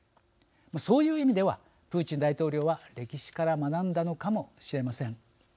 そういう意味ではプーチン大統領は歴史から学んだのかもしれません。